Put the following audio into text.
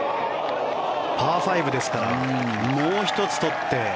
パー５ですからもう１つ取って。